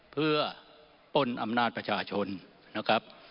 เพื่อป้นอำนาจประชาชนนะครับ